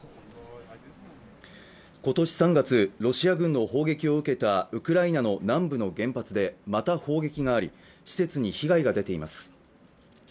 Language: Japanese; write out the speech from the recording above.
今年３月ロシア軍の砲撃を受けたウクライナの南部の原発でまた砲撃があり施設に被害が出ています